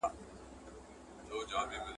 آیا ټولنه له فرد پرته شتون لري؟